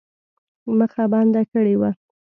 مخه بنده کړې وه.